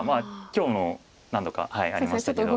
今日も何度かありましたけど。